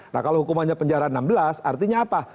nah kalau hukumannya penjara enam belas artinya apa